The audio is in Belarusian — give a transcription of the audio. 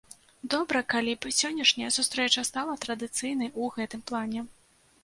Добра калі б сённяшняя сустрэча стала традыцыйнай у гэтым плане.